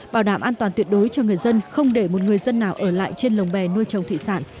bảo đảm an toàn tuyệt đối cho người dân không để một người dân nào ở lại trên lồng bè nuôi trồng thủy sản